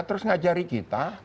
terus mengajari kita